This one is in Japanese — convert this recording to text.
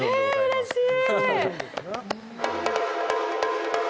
うれしい。